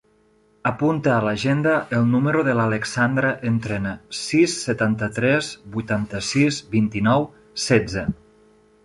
Apunta a l'agenda el número de l'Alexandra Entrena: sis, setanta-tres, vuitanta-sis, vint-i-nou, setze.